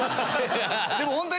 でもホントに。